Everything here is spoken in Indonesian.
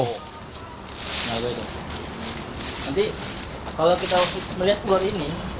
nanti kalau kita melihat gor ini